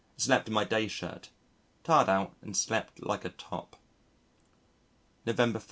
Slept in my day shirt. Tired out and slept like a top. November 3.